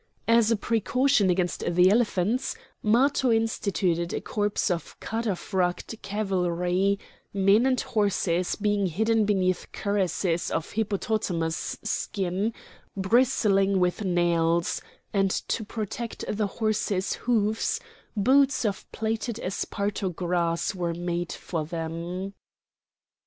As a precaution against the elephants Matho instituted a corps of cataphract cavalry, men and horses being hidden beneath cuirasses of hippopotamus skin bristling with nails; and to protect the horses' hoofs boots of plaited esparto grass were made for them.